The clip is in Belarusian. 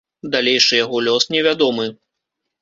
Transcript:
Далейшы яго лёс не вядомы.